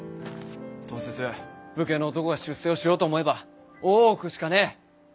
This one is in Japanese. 当節武家の男が出世をしようと思えば大奥しかねえ。